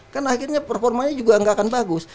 kan akhirnya performanya juga nggak akan bagus